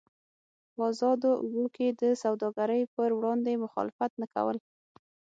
په ازادو اوبو کې د سوداګرۍ پر وړاندې مخالفت نه کول.